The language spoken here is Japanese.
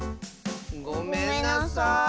ごめんなさい。